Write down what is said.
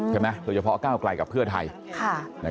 ใช่ไหมโดยเฉพาะก้าวกลายกับเพื่อไทย